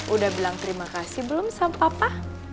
udah bilang terima kasih belum sama papa